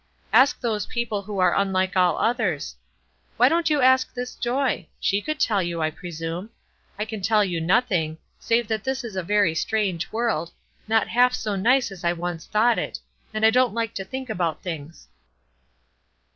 Ask those people who are unlike all others. Why don't you ask this Joy? She could tell you, I presume. I can tell you nothing, save that this is a very strange world, not half so nice as I once thought it, and I don't like to think about things."